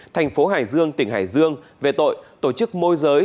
thành phố hải dương tỉnh hải dương về tội tổ chức môi giới